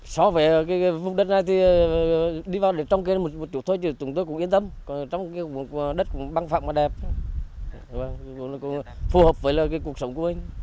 so với vùng đất này thì đi vào trong kia một chỗ thôi thì chúng tôi cũng yên tâm trong kia đất cũng băng phạm và đẹp phù hợp với cuộc sống của mình